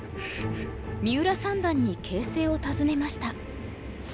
三浦三段に形勢を尋ねました。